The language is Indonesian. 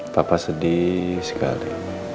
papa sedih sekali